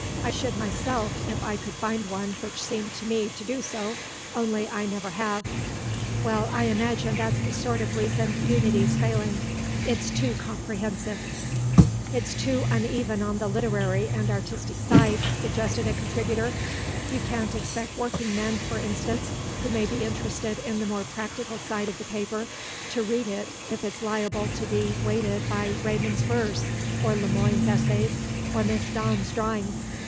I should myself, if I could find one which seemed to me to do so, only I never have.... Well, I imagine that's the sort of reason Unity's failing; it's too comprehensive." "It's too uneven on the literary and artistic side," suggested a contributor. "You can't expect working men, for instance, who may be interested in the more practical side of the paper, to read it if it's liable to be weighted by Raymond's verse, or Le Moine's essays, or Miss Dawn's drawings.